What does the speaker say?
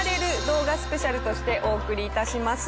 動画スペシャルとしてお送り致します。